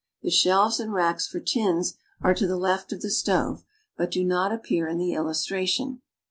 The shelves and racks for tins are to the left of the stove, but do not appear in the illustration.